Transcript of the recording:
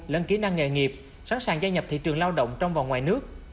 lân kỹ năng nghệ nghiệp sẵn sàng gia nhập thị trường lao động trong và ngoài nước